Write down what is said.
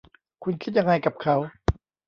คุณคิดยังไงกับเขา